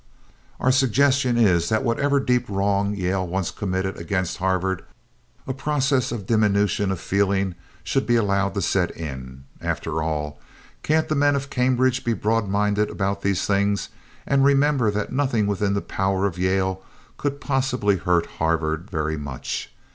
Our suggestion is that whatever deep wrong Yale once committed against Harvard, a process of diminution of feeling should be allowed to set in. After all, can't the men of Cambridge be broadminded about these things and remember that nothing within the power of Yale could possibly hurt Harvard very much?